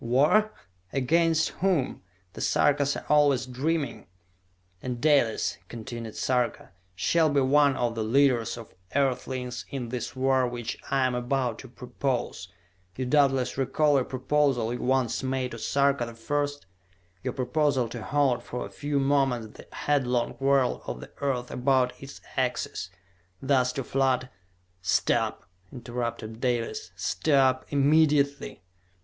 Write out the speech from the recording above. "War? Against whom? The Sarkas are always dreaming!" "And Dalis," continued Sarka, "shall be one of the leaders of Earthlings in this war which I am about to propose! You doubtless recall a proposal you once made to Sarka the First? Your proposal to halt for a few moments the headlong whirl of the earth about its axis, thus to flood " "Stop!" interrupted Dalis. "Stop! Immediately!"